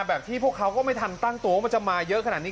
แบบที่พวกเขาก็ไม่ทันตั้งตัวเขาจะมาเยอะครั้งนี้